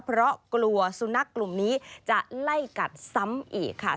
เพราะกลัวสุนัขกลุ่มนี้จะไล่กัดซ้ำอีกค่ะ